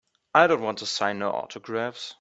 I don't wanta sign no autographs.